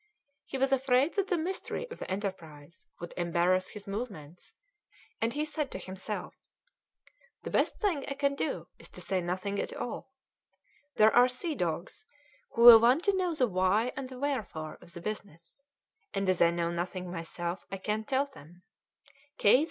He was afraid that the mystery of the enterprise would embarrass his movements, and he said to himself, "The best thing I can do is to say nothing at all; there are sea dogs who will want to know the why and the wherefore of the business, and as I know nothing myself, I can't tell them.